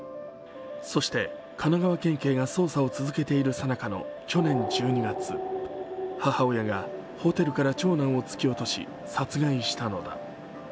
そして神奈川県警が捜査を続けているさなかの去年１２月、母親がホテルから長男を突き落とし、殺害したのだ。